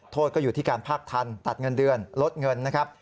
โทษก็อยู่ที่การภาคทันตัดเงินเดือนลดเงินนะครับ